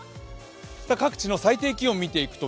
各地の最低気温見ていきます。